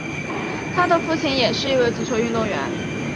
他的父亲也是一位足球运动员。